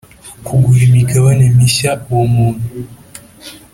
Kugura imigabane mishya uwo muntu